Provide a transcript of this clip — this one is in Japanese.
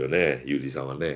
ユーリさんはね。